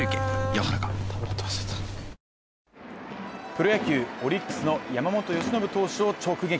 プロ野球、オリックスの山本由伸投手を直撃。